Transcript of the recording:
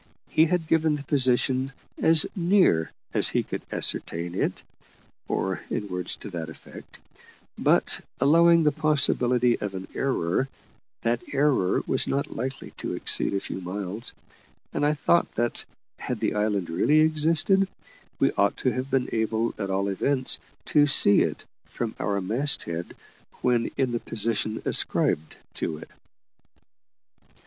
He had given the position "as near as he could ascertain it," or in words to that effect; but, allowing the possibility of an error, that error was not likely to exceed a few miles, and I thought that, had the island really existed, we ought to have been able, at all events, to see it from our mast head when in the position ascribed to it.